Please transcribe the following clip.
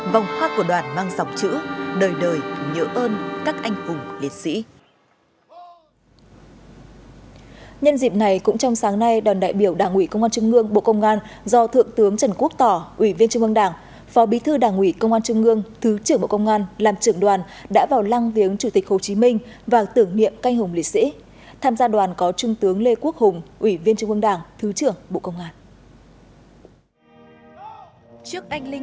vòng hoa của đoàn mang dòng chữ đời đời nhớ ơn các anh hùng liệt sĩ